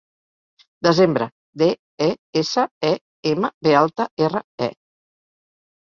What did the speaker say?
Desembre: de, e, essa, e, ema, be alta, erra, e.